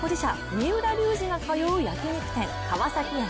三浦龍司が通う焼き肉店、川崎苑。